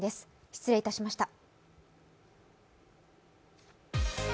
失礼いたしました。